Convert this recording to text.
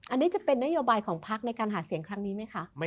อันนี้จะเป็นนโยบายของพักในการหาเสียงครั้งนี้ไหมคะ